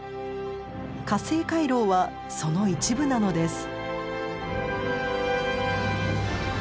河西回廊はその一部なのです。